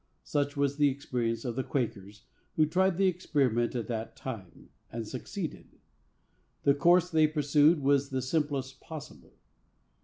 Such was the experience of the Quakers, who tried the experiment at that time, and succeeded. The course they pursued was the simplest possible.